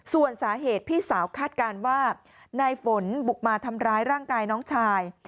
ส่วนสาเหตุพี่สาวคาดการณ์ว่านายฝนบุกมาทำร้ายร่างกายน้องชาย